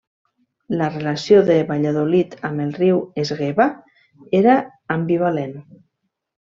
La relació de Valladolid amb el riu Esgueva era ambivalent.